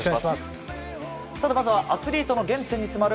まずはアスリートの原点に迫る